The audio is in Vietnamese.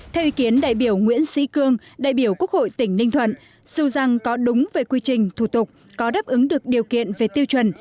theo ý kiến đại biểu nguyễn sĩ cương đại biểu quốc hội tỉnh ninh thuận dù rằng có đúng về quy trình thủ tục có đáp ứng được điều kiện về tiêu chuẩn